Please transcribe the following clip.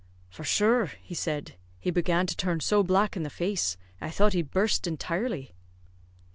"For shure," he said, "he began to turn so black in the face, I thought he'd burst intirely."